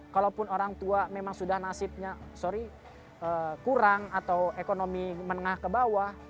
kalaupun orang tua memang sudah nasibnya sorry kurang atau ekonomi menengah ke bawah